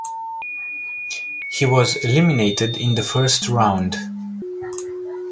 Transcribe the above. He was eliminated in the first round.